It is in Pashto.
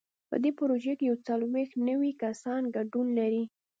په دې پروژه کې یو څلوېښت نوي کسان ګډون لري.